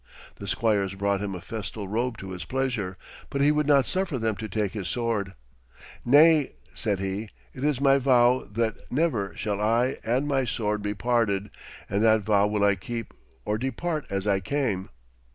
The squires brought him a festal robe to his pleasure, but he would not suffer them to take his sword. 'Nay,' said he, 'it is my vow that never shall I and my sword be parted, and that vow will I keep or depart as I came.'